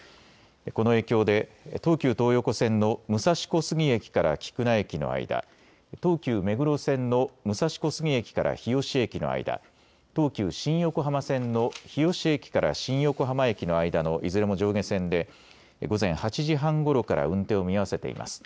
この影響で東急東横線の武蔵小杉駅から菊名駅の間、東急目黒線の武蔵小杉駅から日吉駅の間、東急新横浜線の日吉駅から新横浜駅の間のいずれも上下線で午前８時半ごろから運転を見合わせています。